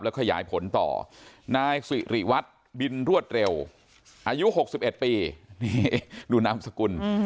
แล้วก็ย้ายผลต่อนายสิริวัฒน์บินรวดเร็วอายุหกสิบเอ็ดปีนี่ดูนามสกุล